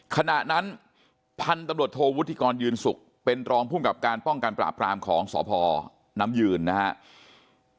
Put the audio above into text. ขณะนั้นพันธุ์โทวุทธิกรยืนสุกเป็นรองผู้มีปรากราบการปลอบครามของสพน้ำยืนนะครับ